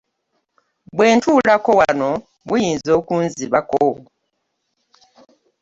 Bwe ntuulako wano buyinza okunzibako.